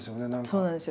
そうなんですよ